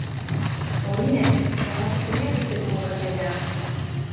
— Оринӓ, тагачы тӹнят итӹн погаш айда!